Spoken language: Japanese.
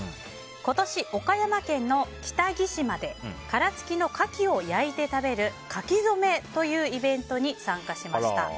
今年、岡山県の北木島で殻つきのカキを焼いて食べる牡蠣初めというイベントに参加しました。